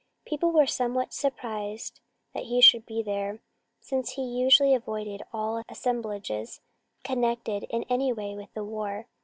People were somewhat surprised that he should be there, since he usually avoided all assemblages connected in any way with the war.